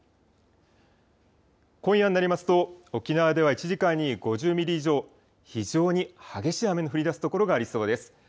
今夜になりますと沖縄では１時間に５０ミリ以上、非常に激しい雨の降りだす所がありそうです。